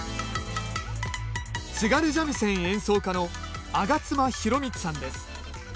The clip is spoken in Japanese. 津軽三味線演奏家の上妻宏光さんです。